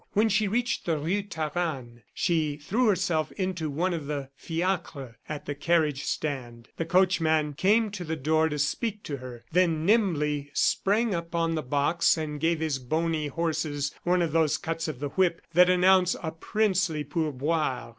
When she reached the Rue Taranne, she threw herself into one of the fiacres at the carriage stand. The coachman came to the door to speak to her; then nimbly sprang upon the box, and gave his bony horses one of those cuts of the whip that announce a princely pourboire.